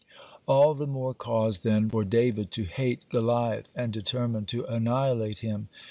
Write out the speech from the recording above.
(32) All the more cause, then, for David to hate Goliath and determine to annihilate him.